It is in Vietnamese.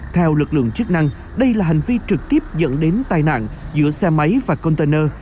theo lực lượng chức năng đây là hành vi trực tiếp dẫn đến tai nạn giữa xe máy và container